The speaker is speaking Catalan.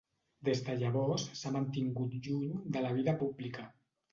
Des de llavors s'ha mantingut lluny de la vida pública.